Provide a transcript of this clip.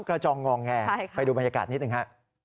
จองงองแงไปดูบรรยากาศนิดหนึ่งฮะ